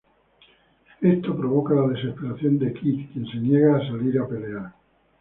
Esto provoca la desesperación de Kid, quien se niega a salir a pelear.